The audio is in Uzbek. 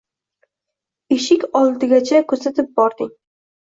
Eshik oldigacha kuzatib bording.